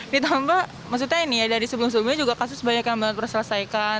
ditambah maksudnya ini ya dari sebelum sebelumnya juga kasus banyak yang benar benar diselesaikan